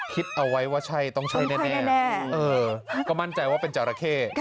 คิดเอาไว้ว่าใช่ต้องใช่แน่ก็มั่นใจว่าเป็นจราเข้